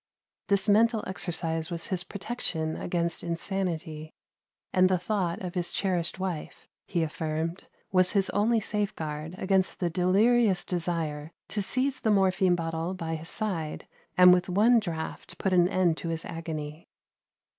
This mental exercise was his protection against insanity: and the thought of his cherished wife, he affirmed, was his only safeguard against the delirious desire to seize the morphine bottle by his side, and with one draught put an end to his agony.